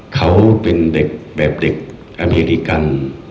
เขาเป็นเด็กแบบเด็กอเมริกัน